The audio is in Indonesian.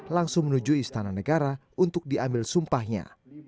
langsung menuju istana negara untuk diambil sumpahnya